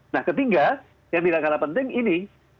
nah ketiga yang tidak kalah penting ini